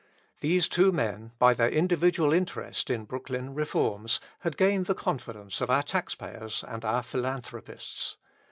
These two men, by their individual interest in Brooklyn reforms, had gained the confidence of our tax payers and our philanthropists.